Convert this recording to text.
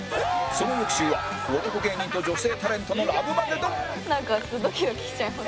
その翌週は男芸人と女性タレントのラブマゲドンなんかドキドキしちゃいます。